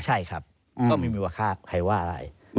ใช่ครับก็ไม่มีว่าค่าใครว่าอะไร